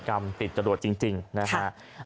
กรรมติดจรวดจริงนะฮะ